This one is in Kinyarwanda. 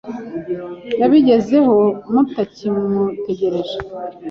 Yabigezeho mutakimutegereje.